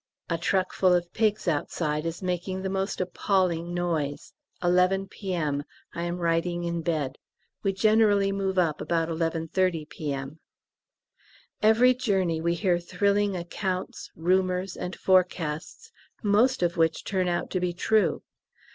(A truckful of pigs outside is making the most appalling noise. 11 P.M. I am writing in bed. We generally move up about 11.30 P.M.) Every journey we hear thrilling accounts, rumours, and forecasts, most of which turn out to be true.